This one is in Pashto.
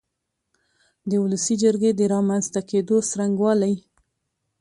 د ولسي جرګې د رامنځ ته کېدو څرنګوالی